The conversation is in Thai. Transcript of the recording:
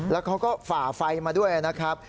แล้วเขาก็ฝ่าไฟมาด้วยนะครับ